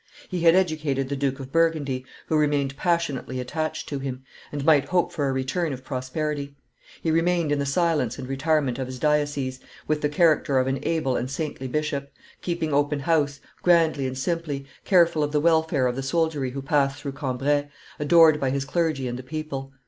He had educated the Duke of Burgundy, who remained passionately attached to him, and might hope for a return of prosperity. He remained in the silence and retirement of his diocese, with the character of an able and saintly bishop, keeping open house, grandly and simply, careful of the welfare of the soldiery who passed through Cambrai, adored by his clergy and the people.